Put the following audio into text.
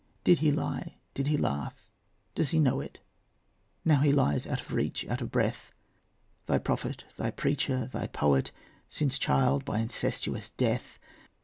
Did he lie? did he laugh? does he know it, Now he lies out of reach, out of breath, Thy prophet, thy preacher, thy poet, Sin's child by incestuous Death?